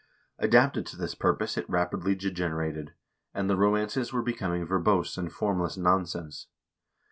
Adapted to this purpose it rapidly degenerated, and the romances were becoming verbose and formless nonsense.